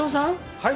はい！